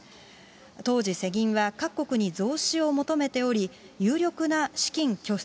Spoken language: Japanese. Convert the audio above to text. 当時、世銀は各国に増資を求めており、有力な資金拠出